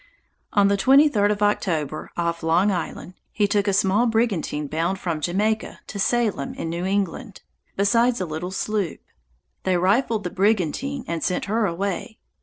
On the 23d of October, off Long Island, he took a small brigantine bound from Jamaica to Salem in New England, besides a little sloop: they rifled the brigantine, and sent her away.